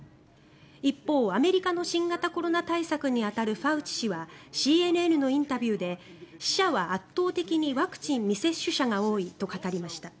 一方、アメリカの新型コロナ対策に当たるファウチ氏はＣＮＮのインタビューで死者は圧倒的にワクチン未接種者が多いと語りました。